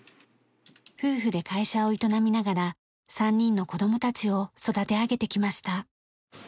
夫婦で会社を営みながら３人の子どもたちを育て上げてきました。